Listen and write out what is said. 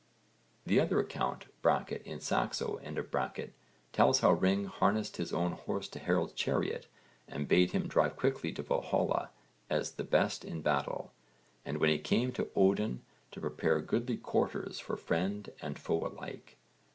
The other account (in Saxo) tells how Ring harnessed his own horse to Harold's chariot and bade him drive quickly to Valhalla as the best in battle, and when he came to Odin to prepare goodly quarters for friend and foe alike.